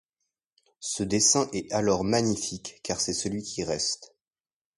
Ce dessin est alors magnifique car c’est celui qui reste.